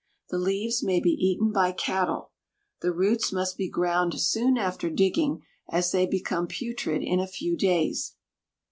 The leaves may be eaten by cattle. The roots must be ground soon after digging, as they become putrid in a few days.